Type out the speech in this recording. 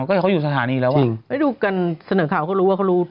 ก็เขาอยู่สถานีแล้วอ่ะไม่ดูกันเสนอข่าวเขาก็รู้ว่าเขารู้